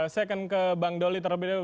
saya akan ke bang doli terlebih dahulu